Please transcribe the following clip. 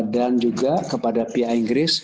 dan juga kepada pihak inggris